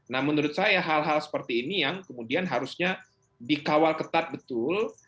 nah menurut saya hal hal seperti ini yang kemudian harusnya dikawal ketat betul